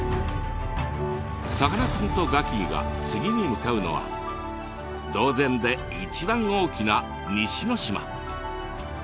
さかなクンとガキィが次に向かうのは島前で一番大きな西ノ島。